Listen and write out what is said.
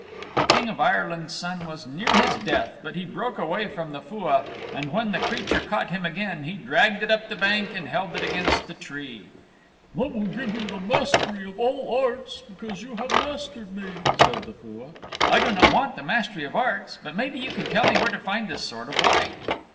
The King of Ireland's Son was near his death, but he broke away from the Fua, and when the creature caught him again, he dragged it up the bank and held it against a tree. "I will give you the mastery of all arts because you have mastered me," said the Fua. "I do not want the mastery of arts, but maybe you can tell me where to find the Sword of Light."